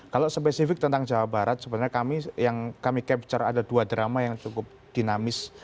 kalau spesifik tentang jawa barat sebenarnya kami yang kami capture ada dua drama yang cukup dinamis